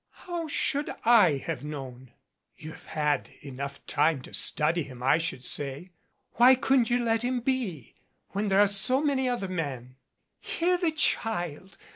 "How should 7 have known?" "You have had time enough to study him, I should say. Why couldn't you let him be? When there are so many other men " "Hear the child